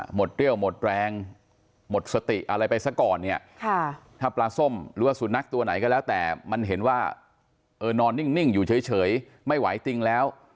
เรี่ยวหมดแรงหมดสติอะไรไปซะก่อนเนี่ยถ้าปลาส้มหรือว่าสุนัขตัวไหนก็แล้วแต่มันเห็นว่าเออนอนนิ่งอยู่เฉยไม่ไหวจริงแล้ว